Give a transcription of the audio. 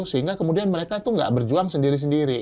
sehingga kemudian mereka itu nggak berjuang sendiri sendiri